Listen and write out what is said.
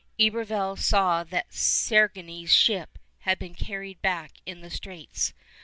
Iberville saw that Sérigny's ship had been carried back in the straits.